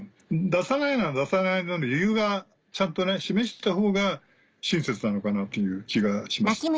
出さないなら出さないなりの理由はちゃんと示したほうが親切なのかなという気がします。